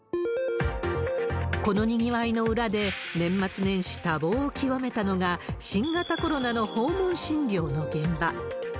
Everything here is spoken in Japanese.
このにぎわいの裏で、年末年始、多忙を極めたのが、新型コロナの訪問診療の現場。